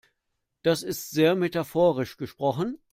Das ist sehr metaphorisch gesprochen.